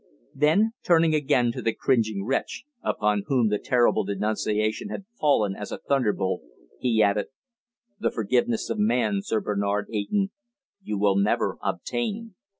Then, turning again to the cringing wretch, upon whom the terrible denunciation had fallen as a thunderbolt, he added: "The forgiveness of man, Sir Bernard Eyton, you will never obtain.